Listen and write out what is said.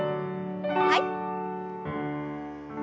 はい。